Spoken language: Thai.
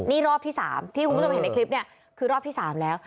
นี่รอบที่๓ที่คุณผู้ชมเห็นในคลิปเนี่ยคือรอบที่๓แล้ว